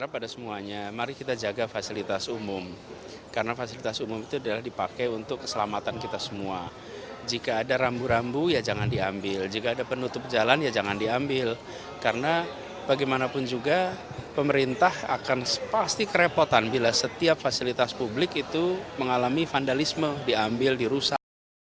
pemerintah akan pasti kerepotan bila setiap fasilitas publik itu mengalami vandalisme diambil dirusak